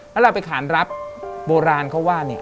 แล้วเราไปขานรับโบราณเขาว่าเนี่ย